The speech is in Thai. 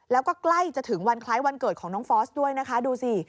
แล้วก็ใกล้จะถึงวันคล้ายวันเกิดของน้องฟอสด้วยนะคะดูสิ